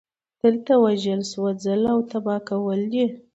دلته وژل سوځول او تباه کول دي